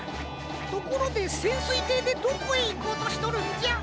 ところでせんすいていでどこへいこうとしとるんじゃ？